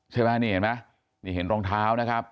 ใช่ไหมนี่เห็นไหมนี่เห็นรองเท้านะครับ